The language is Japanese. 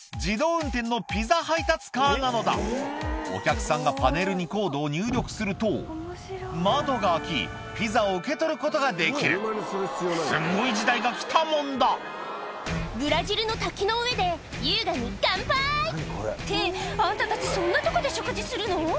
そう実はこれお客さんがパネルにコードを入力すると窓が開きピザを受け取ることができるすんごい時代が来たもんだブラジルの滝の上で優雅に乾杯！ってあんたたちそんなとこで食事するの？